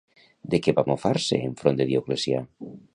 De què va mofar-se enfront de Dioclecià?